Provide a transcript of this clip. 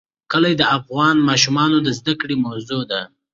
کلي د افغان ماشومانو د زده کړې موضوع ده.